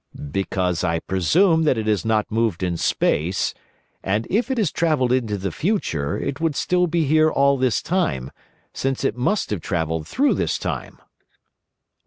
"Because I presume that it has not moved in space, and if it travelled into the future it would still be here all this time, since it must have travelled through this time."